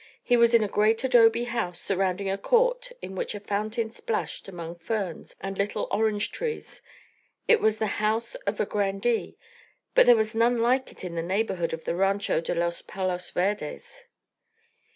He was in a great adobe house surrounding a court in which a fountain splashed among ferns and little orange trees. It was the house of a grandee, but there was none like it in the neighbourhood of the Rancho de los Palos Verdes.